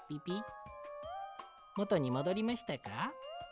もとにもどりましたか？